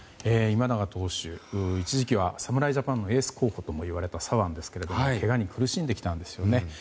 今永投手、一時期は侍ジャパンのエース候補ともいわれた左腕ですけどもけがに苦しんできたんですよね。